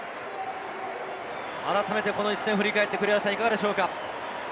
改めてこの一戦を振り返っていかがでしょうか？